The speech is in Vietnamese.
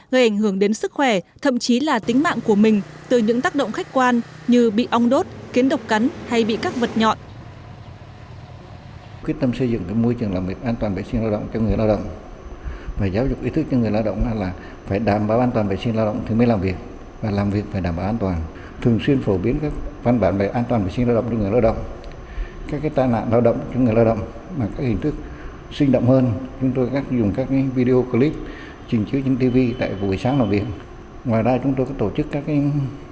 gây ảnh hưởng đến sức khỏe thậm chí là tính mạng của mình từ những tác động khách quan như bị ong đốt kiến độc cắn hay bị các vật nhọn